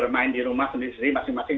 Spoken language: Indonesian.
bermain di rumah sendiri sendiri masing masing